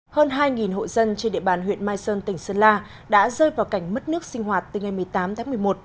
hơn hai hộ dân trên địa bàn huyện mai sơn tỉnh sơn la đã rơi vào cảnh mất nước sinh hoạt từ ngày một mươi tám tháng một mươi một